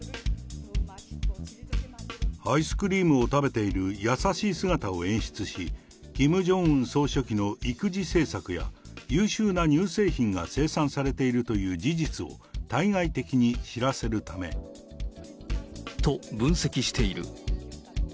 アイスクリームを食べている優しい姿を演出し、キム・ジョンウン総書記の育児政策や、優秀な乳製品が生産されているという事実を、対外的に知らせるため。と、分析している。